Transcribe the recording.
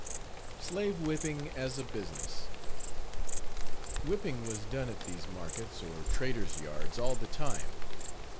SLAVE WHIPPING AS A BUSINESS. Whipping was done at these markets, or trader's yards, all the time.